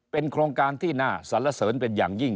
เป็นโครงการที่น่าสรรเสริญเป็นอย่างยิ่ง